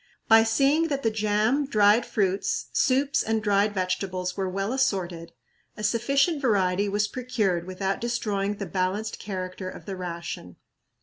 By seeing that the jam, dried fruits, soups, and dried vegetables were well assorted, a sufficient variety was procured without destroying the balanced character of the ration.